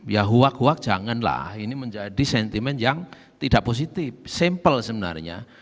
ya huwag huwag janganlah ini menjadi sentimen yang tidak positif simple sebenarnya